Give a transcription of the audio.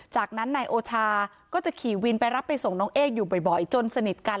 จากนั้นนายโอชาก็จะขี่วินไปรับไปส่งน้องเอ๊กอยู่บ่อยจนสนิทกัน